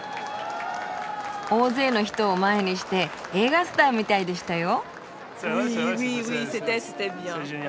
大勢の人を前にして映画スターみたいでしたよ。